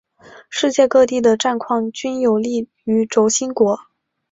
世界各地的战况均有利于轴心国。